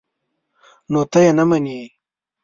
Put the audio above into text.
_نو ته يې نه منې؟